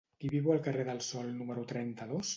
Qui viu al carrer del Sol número trenta-dos?